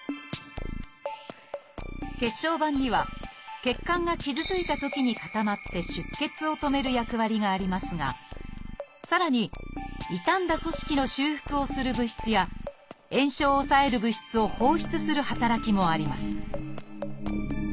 血小板には血管が傷ついたときに固まって出血を止める役割がありますがさらに傷んだ組織の修復をする物質や炎症を抑える物質を放出する働きもあります